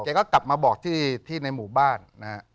กลับมาบอกที่ในหมู่บ้านนะฮะ